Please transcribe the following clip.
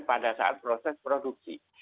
pada saat proses produksi